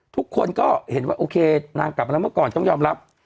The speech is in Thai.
ทุกคนก็เห็นว่าโอเคนางกลับมาแล้วเมื่อก่อนต้องยอมรับ